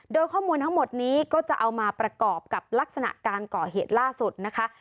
โดยข้อมูลทั้งหมดนี้ก็จะเอามาประกอบกับลักษณะการก่อเหตุล่าสุดนะคะ